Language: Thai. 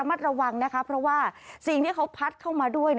มัดระวังนะคะเพราะว่าสิ่งที่เขาพัดเข้ามาด้วย